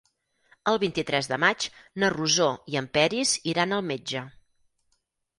El vint-i-tres de maig na Rosó i en Peris iran al metge.